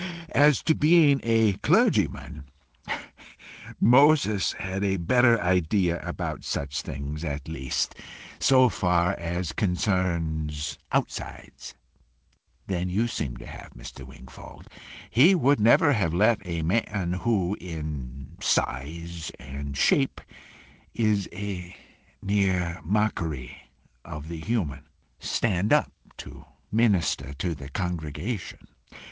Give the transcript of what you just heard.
"As to being a clergyman, Moses had a better idea about such things, at least so far as concerns outsides, than you seem to have, Mr. Wingfold. He would never have let a man who in size and shape is a mere mockery of the human, stand up to minister to the congregation.